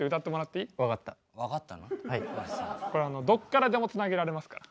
これはどっからでもつなげられますから。